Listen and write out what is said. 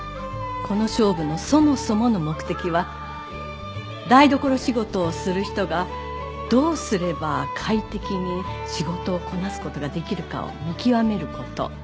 この勝負のそもそもの目的は台所仕事をする人がどうすれば快適に仕事をこなす事ができるかを見極める事。